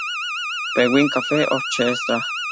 Penguin Cafe Orchestra